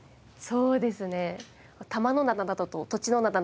そうですね。